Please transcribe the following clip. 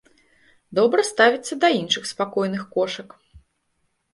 Добра ставіцца да іншых спакойных кошак.